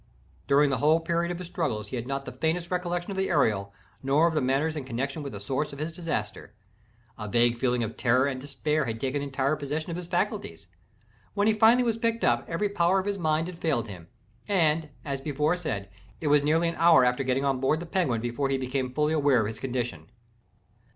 During the whole period of his struggles he had not the faintest recollection of the Ariel, nor of the matters in connexion with the source of his disaster. A vague feeling of terror and despair had taken entire possession of his faculties. When he was finally picked up, every power of his mind had failed him; and, as before said, it was nearly an hour after getting on board the Penguin before he became fully aware of his condition.